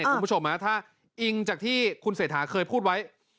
ถ้าอิงจากที่คุณเสถาเคยพูดไว้